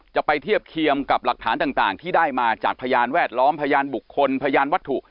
จะไปเทียบเคียงกับหลักฐานต่างที่ได้มาจากพยานแวดล้อมพยานบุคคลพยานวัตถุ